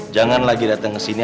jangan lagi datang kesini